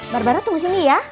barbara tunggu sini ya